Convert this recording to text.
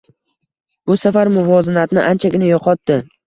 Bu safar muvozanatni anchagina yoʻqotdi.